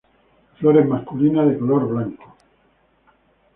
Flores masculinas de color blanco.